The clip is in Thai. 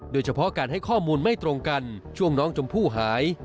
โดยเฉพาะการให้ข้อมูลไม่ตรงกันช่วงน้องชมพู่หาย